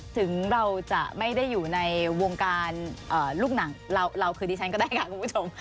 ถึงเราจะไม่ได้อยู่ในวงการลูกหนังเราคือดิฉันก็ได้ค่ะคุณผู้ชม